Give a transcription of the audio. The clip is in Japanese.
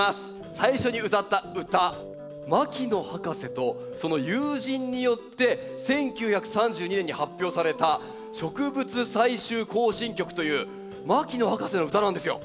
最初に歌った歌牧野博士とその友人によって１９３２年に発表された「植物採集行進曲」という牧野博士の歌なんですよ。